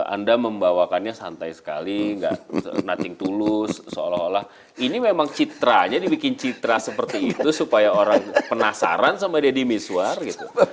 anda membawakannya santai sekali nothing to lose seolah olah ini memang citranya dibikin citra seperti itu supaya orang penasaran sama deddy miswar gitu